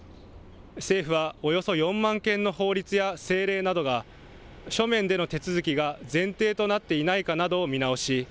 政府はおよそ４万件の法律や政令などが書面での手続きが前提となっていないかなどを見直し